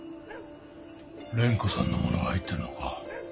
蓮子さんのものが入ってるのか。